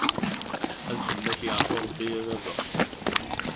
Ad fell-ak yeɛfu rebbi a baba.